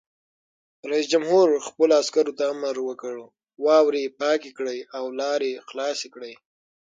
رئیس جمهور خپلو عسکرو ته امر وکړ؛ واورې پاکې کړئ او لارې خلاصې کړئ!